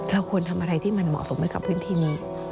เราควรทำอะไรที่มันเหมาะสมให้กับพื้นที่นี้